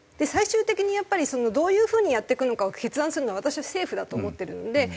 最終的にやっぱりどういう風にやっていくのかを決断するのは私は政府だと思っているので。